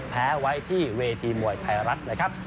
แพ้ไว้ที่เวทีมวยไทยรัฐนะครับ